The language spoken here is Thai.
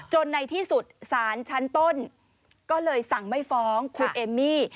ในที่สุดสารชั้นต้นก็เลยสั่งไม่ฟ้องคุณเอมมี่